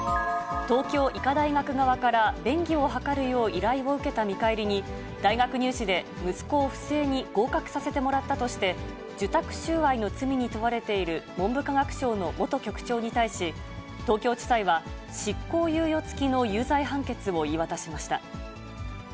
東京医科大学側から便宜を図るよう依頼を受けた見返りに、大学入試で息子を不正に合格させてもらったとして、受託収賄の罪に問われている文部科学省の元局長に対し、東京地裁は執行猶予付きの有罪判決を言い渡しました。